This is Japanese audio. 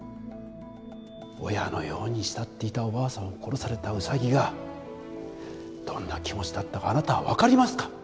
親のように慕っていたおばあさんを殺されたウサギがどんな気持ちだったかあなたは分かりますか？